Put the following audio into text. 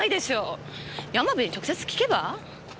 山部に直接訊けば？